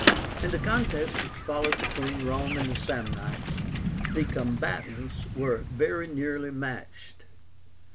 In the contest which followed between Rome and the Samnites, the combatants were very nearly matched.